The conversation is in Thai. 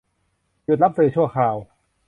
หยุดรับสื่อชั่วคราว